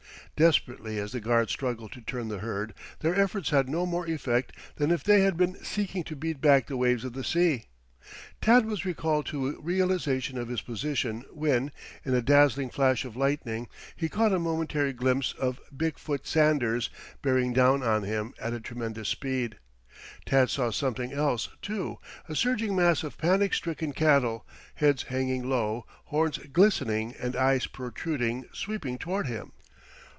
Desperately as the guards struggled to turn the herd, their efforts had no more effect than if they had been seeking to beat back the waves of the sea. Tad was recalled to a realization of his position when, in a dazzling flash of lightning, he caught a momentary glimpse of Big foot Sanders bearing down on him at a tremendous speed. Tad saw something else, too a surging mass of panic stricken cattle, heads hanging low, horns glistening and eyes protruding, sweeping toward him.